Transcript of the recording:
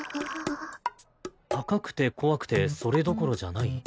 「高くて怖くてそれどころじゃない」？